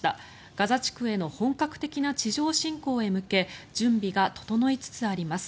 ガザ地区への本格的な地上侵攻へ向け準備が整いつつあります。